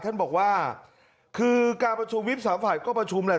ท่านบอกว่าคือการประชุมวิบสามฝ่ายก็ประชุมแหละ